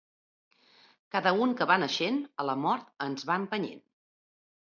Cada un que va naixent a la mort ens va empenyent.